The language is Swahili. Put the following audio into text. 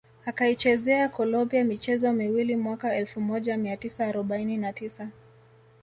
Akaichezea Colombia michezo miwili mwaka elfu moja mia tisa arobaini na tisa